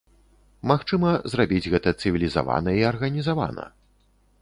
Магчыма зрабіць гэта цывілізавана і арганізавана.